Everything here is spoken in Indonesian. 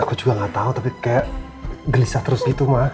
aku juga gak tau tapi kayak gelisah terus gitu mah